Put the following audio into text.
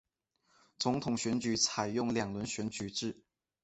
总统选举采用两轮选举制。